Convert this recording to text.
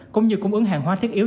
cũng như cung ứng hàng hóa thiết yếu